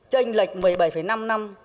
tranh lệch một mươi bảy năm năm